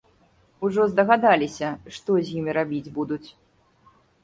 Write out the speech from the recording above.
Ужо здагадаліся, што з імі рабіць будуць.